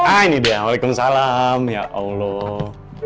ah ini dia waalaikumsalam ya allah